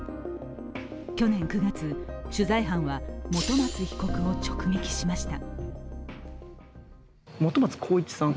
去年９月、取材班は本松被告を直撃しました。